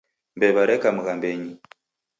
Mbew'a reka mghambenyi.